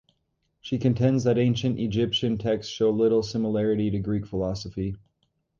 She contends that ancient Egyptian texts show little similarity to Greek philosophy.